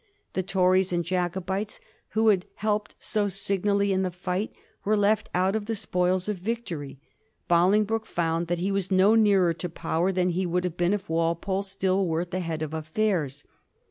The Tories and Jacobites, who had helped so signally in the fight, were left out of the spoils of victory. Bolingbroke found that he was no nearer to power than he would have been if Walpole still were at the head of affairs.